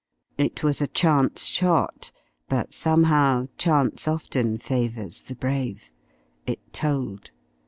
It was a chance shot, but somehow chance often favours the brave. It told.